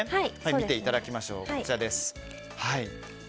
見ていただきましょう。